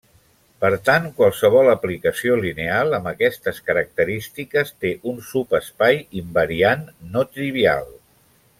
Per tant, qualsevol aplicació lineal amb aquestes característiques té un subespai invariant no trivial.